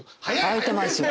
「開いてますよ！！」。